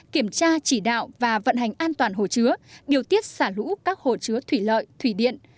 kiểm tra chỉ đạo và vận hành an toàn hồ chứa điều tiết xả lũ các hồ chứa thủy lợi thủy điện